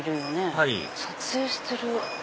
はい撮影してる。